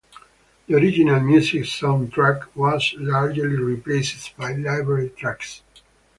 The original music soundtrack was largely replaced by library tracks.